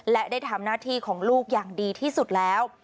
และได้ทำหน้าที่ของลูกอย่างดีที่สุดแล้ว